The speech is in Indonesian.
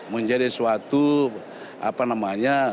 menjadi suatu apa namanya semangat yang tekat untuk memajukan partai golkar